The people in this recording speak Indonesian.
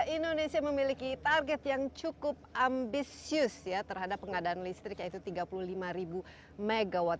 indonesia memiliki target yang cukup ambisius terhadap pengadaan listrik yaitu tiga puluh lima ribu megawatt